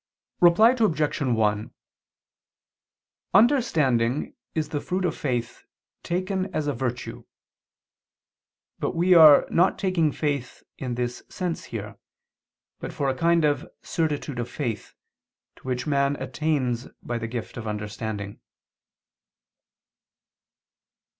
Reply Obj. 1: Understanding is the fruit of faith, taken as a virtue. But we are not taking faith in this sense here, but for a kind of certitude of faith, to which man attains by the gift of understanding.